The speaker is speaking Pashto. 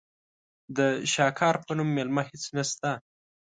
د شاکار په نوم مېله هېڅ نشته.